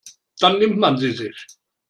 Dann nimmt man sie sich.